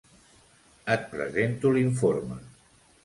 Et presento l'informe.